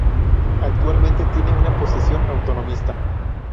Actualmente tienen una posición autonomista.